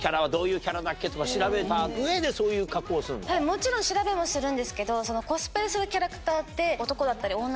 もちろん調べもするんですけど。